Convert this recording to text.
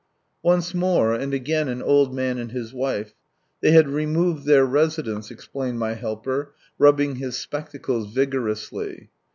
Once more, and again an old man and his wife. They had "removed their residence," explained my helper, rubbing his spectacles vigorously.